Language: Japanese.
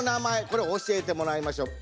これ教えてもらいましょう。